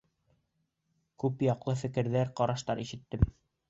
Күп яҡлы фекерҙәр, ҡараштар ишеттем.